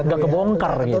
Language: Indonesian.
nggak kebongkar gitu